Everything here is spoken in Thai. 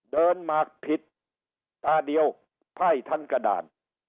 เดินมากพิษตาเดียวไพ่ท่านกระด่าน